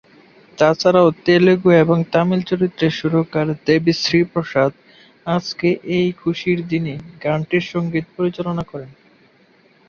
এছাড়া তেলুগু এবং তামিল চলচ্চিত্রের সুরকার দেবী শ্রী প্রসাদ "আজকে এই খুশির দিনে" গানটির সঙ্গীত পরিচালনা করেন।